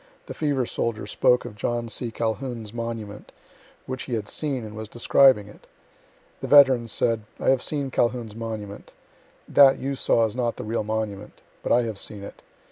The fever soldier spoke of John C. Calhoun's monument, which he had seen, and was describing it. The veteran said: "I have seen Calhoun's monument. That you saw is not the real monument. But I have seen it.